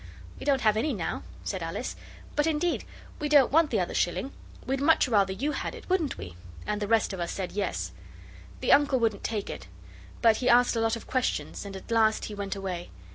'We don't have any now,' said Alice; 'but indeed we don't want the other shilling. We'd much rather you had it, wouldn't we?' And the rest of us said, 'Yes.' The Uncle wouldn't take it, but he asked a lot of questions, and at last he went away.